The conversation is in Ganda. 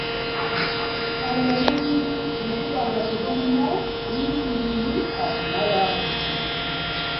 Awo omubiri ne guba nga tegulina Yinsuliini agumala.